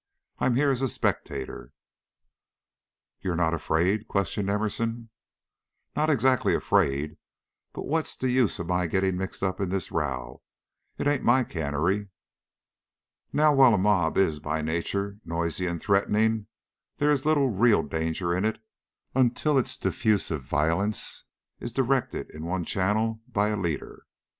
I'm here as a spectator." "You're not afraid?" questioned Emerson. "Not exactly afraid, but what's the use of my getting mixed up in this row? It ain't my cannery." Now, while a mob is by nature noisy and threatening, there is little real danger in it until its diffusive violence is directed into one channel by a leader.